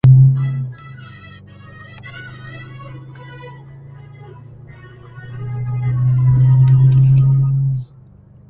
أنت مشتر جيد.